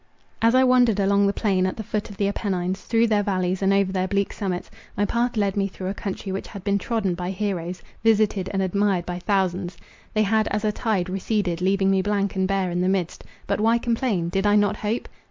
As I wandered along the plain, at the foot of the Appennines—through their vallies, and over their bleak summits, my path led me through a country which had been trodden by heroes, visited and admired by thousands. They had, as a tide, receded, leaving me blank and bare in the midst. But why complain? Did I not hope?